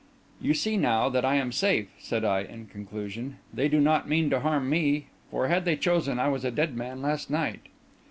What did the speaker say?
"You see now that I am safe," said I, in conclusion. "They do not mean to harm me; for, had they chosen, I was a dead man last night."